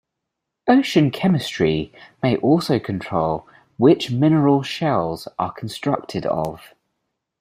Ocean chemistry may also control which mineral shells are constructed of.